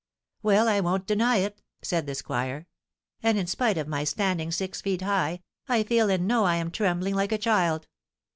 "Well, I won't deny it!" said the squire. "And, spite of my standing six feet high, I feel and know I am trembling like a child."